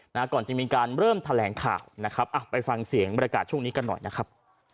ก่อนจะมีการเริ่มแถลงข่าวนะครับอ่ะไปฟังเสียงบรรยากาศช่วงนี้กันหน่อยนะครับ